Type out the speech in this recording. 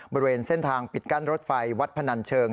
บริเวณเส้นทางปิดกั้นรถไฟวัดพนันเชิง